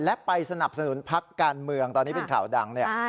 และไปสนับสนุนพักการเมืองตอนนี้เป็นข่าวดังเนี่ย